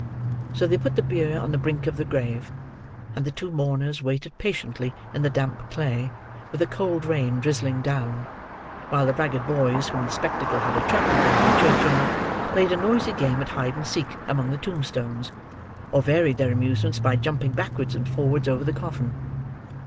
So, they put the bier on the brink of the grave; and the two mourners waited patiently in the damp clay, with a cold rain drizzling down, while the ragged boys whom the spectacle had attracted into the churchyard played a noisy game at hide and seek among the tombstones, or varied their amusements by jumping backwards and forwards over the coffin.